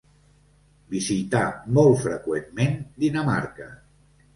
Visità molt freqüentment Dinamarca.